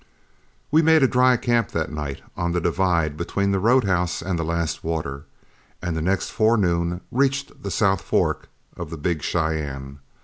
We made a dry camp that night on the divide between the road house and the last water, and the next forenoon reached the South Fork of the Big Cheyenne.